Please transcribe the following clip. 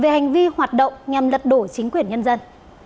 về hành vi hoạt động nhằm lật đổ chính quyền nhân dân